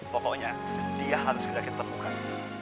pokoknya dia harus kedekat temukan